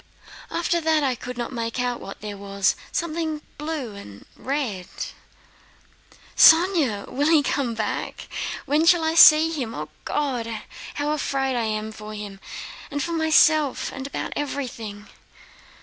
"After that, I could not make out what there was; something blue and red...." "Sónya! When will he come back? When shall I see him! O, God, how afraid I am for him and for myself and about everything!..."